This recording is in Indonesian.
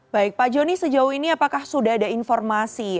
baik pak joni sejauh ini apakah sudah ada informasi